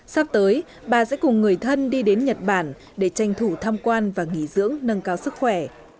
sắp tới bà sẽ cùng người thân đi đến nhật bản để tranh thủ tham quan và nghỉ dưỡng nâng cao sức khỏe